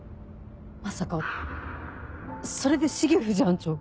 まさかそれで重藤班長を。